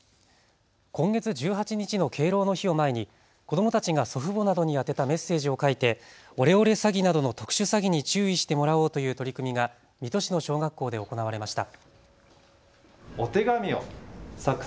今月１８日の敬老の日を前に子どもたちが祖父母などに宛てたメッセージを書いてオレオレ詐欺などの特殊詐欺に注意してもらおうという取り組みが水戸市の小学校で行われました。